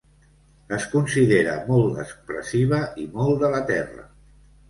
Es considera molt expressiva i molt de la terra.